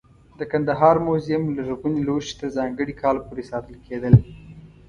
د کندهار موزیم لرغوني لوښي تر ځانګړي کال پورې ساتل کېدل.